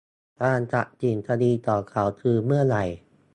การตัดสินคดีของเขาคือเมื่อไหร่